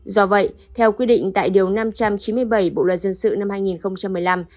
do vậy theo quy định tại điều năm trăm chín mươi bảy bộ luật dân sự năm hai nghìn một mươi năm